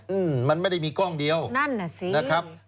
อืมมันไม่ได้มีกล้องเดียวนั่นหน่ะสิ